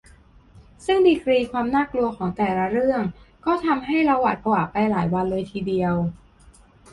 ซึ่งดีกรีความน่ากลัวของแต่ละเรื่องก็ทำให้เราหวาดผวาไปหลายวันเลยทีเดียว